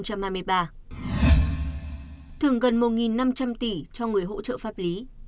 thưởng gần một năm trăm linh tỷ cho người hỗ trợ pháp lý